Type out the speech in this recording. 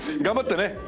頑張ってね。